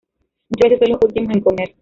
Muchas veces son los últimos en comer.